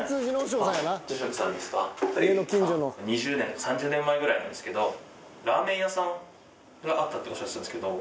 ２０年３０年前ぐらいなんですけどラーメン屋さんがあったっておっしゃっていたんですけど。